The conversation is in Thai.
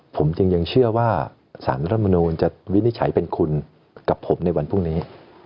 ผมจึงยังเชื่อว่าสารรัฐมนูลจะวินิจฉัยเป็นคุณกับผมในวันพรุ่งนี้